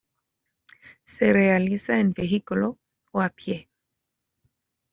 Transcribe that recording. Se realiza en vehículo, o a pie.